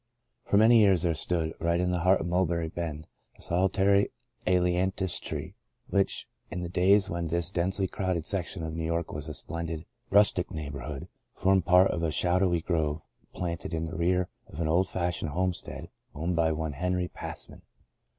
FOR many years there stood, right in the heart of Mulberry Bend, a solitary ailantus tree which, in the days when this now densely crowded section of New York was a pleasant, rustic neighbourhood, formed part of a shady grove planted in the rear of an old fashioned homestead owned by one Henry Passman.